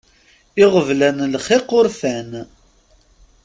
Iɣeblan, lxiq, urfan.